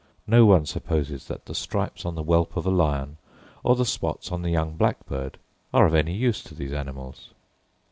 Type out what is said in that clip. No one supposes that the stripes on the whelp of a lion, or the spots on the young blackbird, are of any use to these animals.